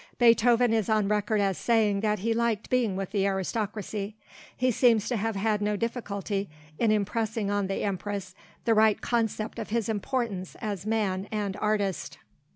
Beethoven is on record as saying that he liked being with the aristocracy. He seems to have had no difficulty in impressing on the Empress the right concept of his importance as man and artist.